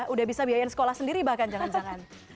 udah bisa biayain sekolah sendiri bahkan jangan jangan